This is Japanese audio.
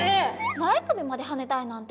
ない首まではねたいなんて